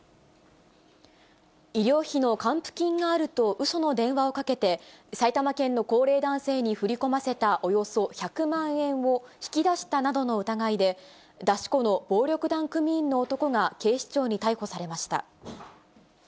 医療費の還付金があるとうその電話をかけて、埼玉県の高齢男性に振り込ませたおよそ１００万円を、引き出したなどの疑いで、出し子の暴力団組員の男が、警視庁に逮捕されました。